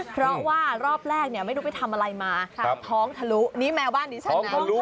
เพราะว่ารอบแรกเนี่ยไม่รู้ไปทำอะไรมาท้องทะลุนี่แมวบ้านดิฉันนะ